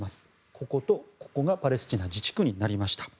こことここがパレスチナ自治区になりました。